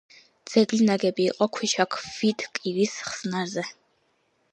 ძეგლი ნაგები იყო ქვიშაქვით კირის ხსნარზე.